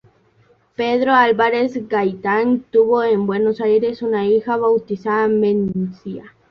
Pedro Álvarez Gaytán tuvo en Buenos Aires una hija, bautizada Mencia.